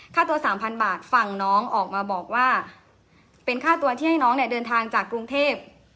ค่าตัว๓๐๐บาทฝั่งน้องออกมาบอกว่าเป็นค่าตัวที่ให้น้องเนี่ยเดินทางจากกรุงเทพ